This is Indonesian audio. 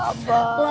lo angetin aja